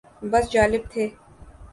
بس جالب تھے